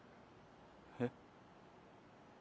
えっ？